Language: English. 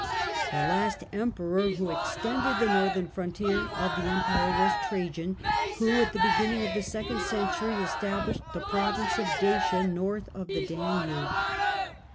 The last Emperor who extended the northern frontier of the Empire was Trajan, who at the beginning of the second century established the province of Dacia north of the Danube.